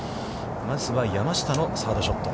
まずは、山下のサードショット。